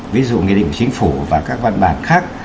ví dụ nghị định chính phủ và các văn bản khác